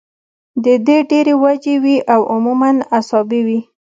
د دې ډېرې وجې وي او عموماً اعصابي وي